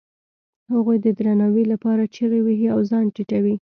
هغوی د درناوي لپاره چیغې وهي او ځان ټیټوي.